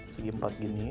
segi empat gini